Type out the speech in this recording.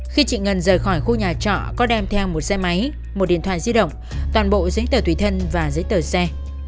khi chị ngân rời khỏi khu nhà trọ có đem theo một xe máy một điện thoại di động toàn bộ giấy tờ tùy thân và giấy tờ xe